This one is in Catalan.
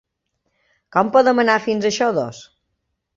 Com podem anar fins a Xodos?